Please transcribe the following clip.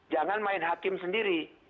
jangan main hakim sendiri